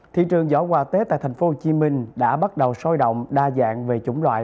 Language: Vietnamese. thị trường giỏ quà tết tại tp hcm đã bắt đầu sôi động đa dạng về chủng loại